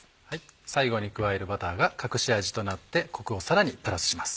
最後に加えるバターが隠し味となってコクをさらにプラスします。